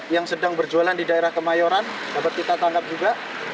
yang sedang berjualan di daerah kemayoran dapat kita tangkap juga